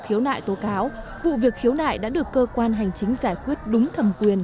khiếu nại tố cáo vụ việc khiếu nại đã được cơ quan hành chính giải quyết đúng thẩm quyền